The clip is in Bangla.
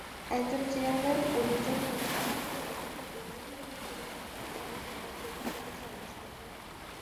একজন চেয়ারম্যান ও দুজন কমিশনার নিয়ে গঠিত দুর্নীতি দমন কমিশন কার্যালয় ঢাকার সেগুনবাগিচায় অবস্থিত।